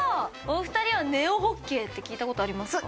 お二人はネオホッケーって聞いたことありますか？